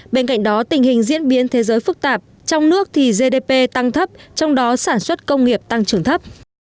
bên cạnh đó tình hình diễn biến thế giới phức tạp trong nước thì gdp tăng thấp trong đó sản xuất công nghiệp tăng trưởng thấp